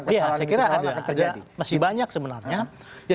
iya saya kira ada masih banyak sebenarnya